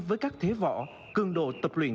với các thế võ cường đồ tập luyện